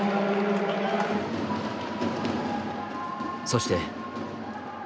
そして。